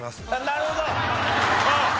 なるほど。